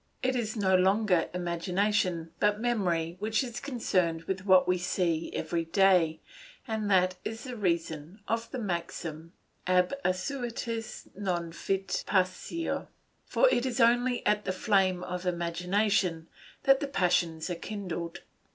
It is no longer imagination, but memory which is concerned with what we see every day, and that is the reason of the maxim, "Ab assuetis non fit passio," for it is only at the flame of imagination that the passions are kindled.